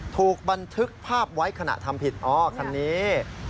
ถูกบันทึกภาพไว้ขณะทำผิดอ๋อคันนี้